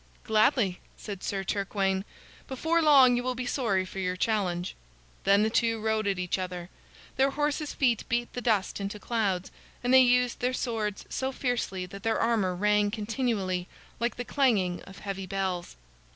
"Gladly," said Sir Turquaine. "Before long you will be sorry for your challenge." Then the two rode at each other. Their horses' feet beat the dust into clouds, and they used their swords so fiercely that their armor rang continually like the clanging of heavy bells.